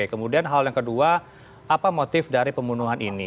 kemudian hal yang kedua apa motif dari pembunuhan ini